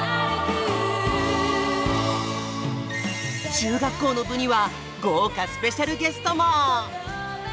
中学校の部には豪華スペシャルゲストも！